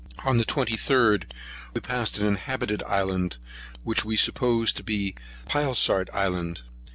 On the 23rd, we passed an inhabited island, which we supposed to be the Pylestaart island.